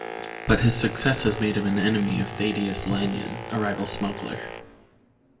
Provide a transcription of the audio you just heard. But his success has made him an enemy of Thadeous Lanyon, a rival smuggler.